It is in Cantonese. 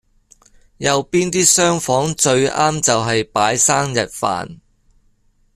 右邊啲廂房最啱就喺擺生日飯